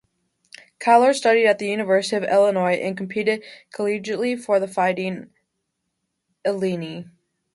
Kallur studied at the University of Illinois and competed collegiately for the Fighting Illini.